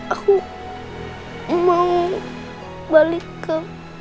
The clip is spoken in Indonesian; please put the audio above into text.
aku mau balik ke